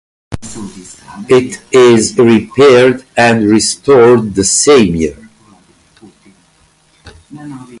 It is repaired and restored the same year.